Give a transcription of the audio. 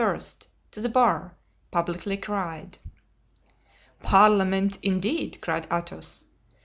to the bar, publicly cried. "Parliament indeed!" cried Athos.